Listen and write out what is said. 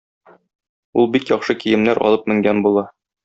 Ул бик яхшы киемнәр алып менгән була.